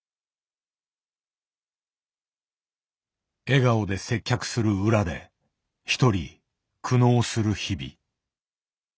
笑顔で接客する裏で独り苦悩する日々。